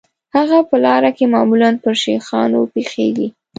هغه په لاره کې معمولاً پر شیخانو پیښیږي.